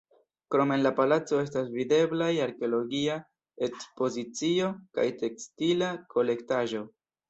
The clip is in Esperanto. Krome en la palaco estas videblaj arkeologia ekspozicio kaj tekstila kolektaĵo.